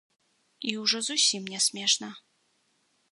І ўжо зусім нясмешна.